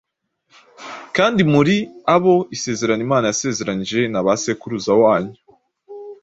kandi muri abo isezerano Imana yasezeranije naba sekuruza wanyu,